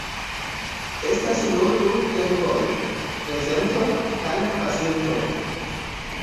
Estas nur du tempoj: prezento kaj pasinto.